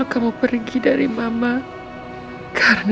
waktu itu nggak dilarang sama ama dejwe